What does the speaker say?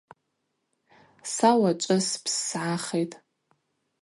Са уачӏвы спссгӏахитӏ.